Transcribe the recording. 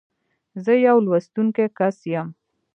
زه يو لوستونکی کس یم.